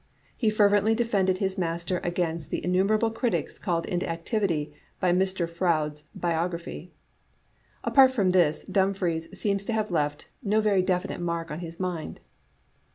He fervently defended his master against the innumer able critics called into activity by Mr. Proude's biog raphy. Apart from this, Dumfries seems to have left no very definite mark on his mind.